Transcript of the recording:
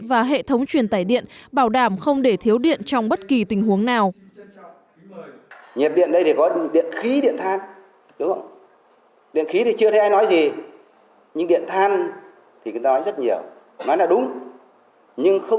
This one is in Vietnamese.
và hệ thống truyền tải điện bảo đảm không để thiếu điện trong bất kỳ tình huống nào